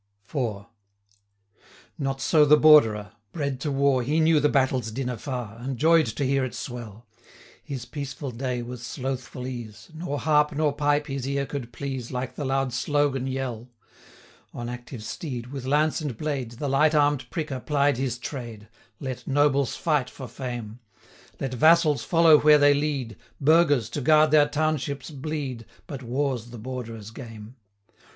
IV. Not so the Borderer: bred to war, He knew the battle's din afar, And joy'd to hear it swell. 70 His peaceful day was slothful ease; Nor harp, nor pipe, his ear could please, Like the loud slogan yell. On active steed, with lance and blade, The light arm'd pricker plied his trade, 75 Let nobles fight for fame; Let vassals follow where they lead, Burghers, to guard their townships, bleed, But war's the Borderer's game.